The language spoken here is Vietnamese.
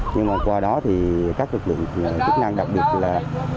nhưng mà qua đó thì các nguyên tượng chức năng đặc biệt là